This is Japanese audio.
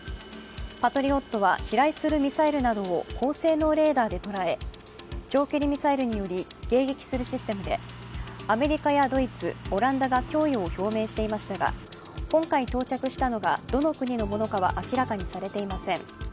パトリオットは飛来するミサイルなどを高性能レーダーで捉え長距離ミサイルにより迎撃するシステムでアメリカやドイツ、オランダが供与を表明していましたが今回到着したのがどの国のものかは明らかにされていません。